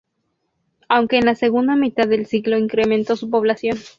Aunque en la segunda mitad del siglo incrementó su población.